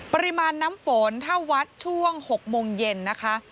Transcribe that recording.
ปริมาณน้ำฝนถ้าวัดช่วง๖โมงเย็นนะคะ